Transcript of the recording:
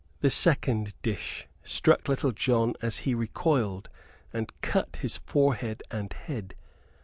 The second dish struck Little John as he recoiled and cut his forehead and head.